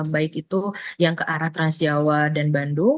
baik itu yang ke arah transjawa dan bandung